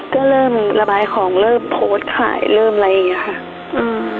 ก็เริ่มระบายของเริ่มโพสต์ขายเริ่มอะไรอย่างเงี้ค่ะอืม